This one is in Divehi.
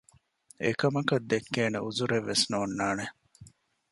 އެކަމަކަށް ދެއްކޭނޭ ޢުޛުރެއް ވެސް ނޯންނާނެ